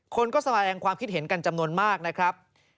คนก็แสดงความคิดเห็นกันจำนวนมากนะครับ